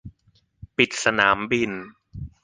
ปิดสนามบิน